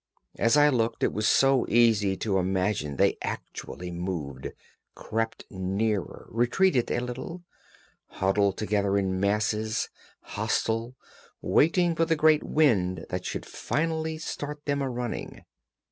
_ As I looked it was so easy to imagine they actually moved, crept nearer, retreated a little, huddled together in masses, hostile, waiting for the great wind that should finally start them a running.